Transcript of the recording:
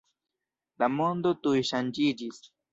La mondo tuj ŝanĝiĝis.